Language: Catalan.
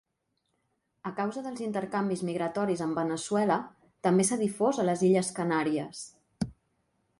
A causa dels intercanvis migratoris amb Veneçuela, també s'ha difós a les Illes Canàries.